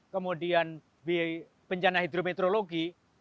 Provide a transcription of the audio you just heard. kemudian bencana hidrometrologi